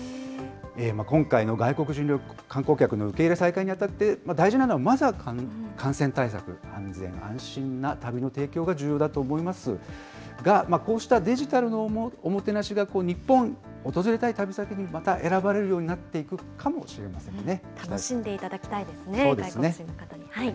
今回の外国人観光客の受け入れ再開にあたって、大事なのはまずは感染対策、安全安心な旅の提供が重要だと思いますが、こうしたデジタルのおもてなしが日本を訪れたい旅先にまた選ばれるようになっていくかもしれませんね。